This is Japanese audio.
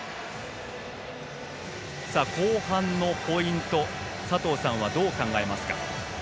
後半のポイント、佐藤さんはどう考えますか？